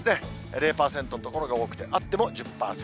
０％の所が多くて、あっても１０％。